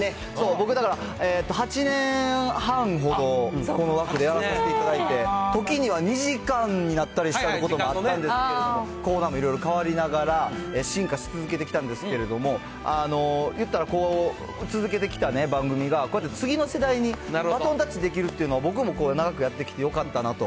僕だから、８年半ほどこの枠でやらさせていただいて、時には２時間になったりしたこともあったんですけれども、コーナーもいろいろ変わりながら進化し続けてきたんですけれども、言ったら、続けてきた番組が、こうやって次の世代にバトンタッチできるっていうのは、僕も長くやってきて、よかったなと。